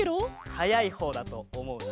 はやいほうだとおもうな。